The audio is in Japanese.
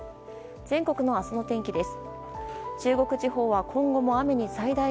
全国の明日の天気です。